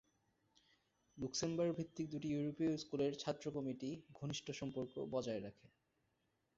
Luxembourg ভিত্তিক দুটি ইউরোপীয় স্কুলের ছাত্র কমিটি ঘনিষ্ঠ সম্পর্ক বজায় রাখে।